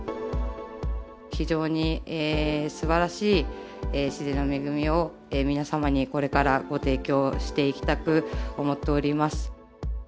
非常にすばらしい自然の恵みを、皆様にこれからご提供していきたく思っております。